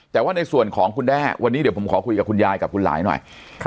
แต่ว่าในส่วนของคุณแด้วันนี้เดี๋ยวผมขอคุยกับคุณยายกับคุณหลายหน่อย